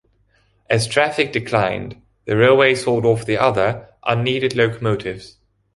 As traffic declined, the railway sold off the other, unneeded locomotives.